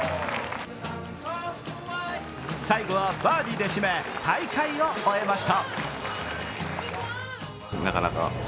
最後はバーディーで締め、大会を終えました。